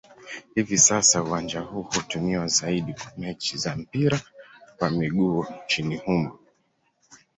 Hivi sasa uwanja huu hutumiwa zaidi kwa mechi za mpira wa miguu nchini humo.